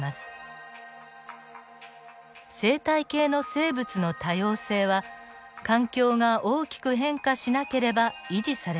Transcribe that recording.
生態系の生物の多様性は環境が大きく変化しなければ維持されます。